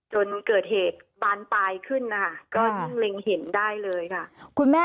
จนเกิดเหตุบานปลายขึ้นนะคะก็เล็งเห็นได้เลยค่ะ